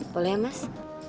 boleh ya mas